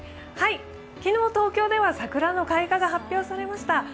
昨日、東京では桜の開花が発表されました。